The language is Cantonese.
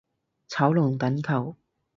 炒龍躉球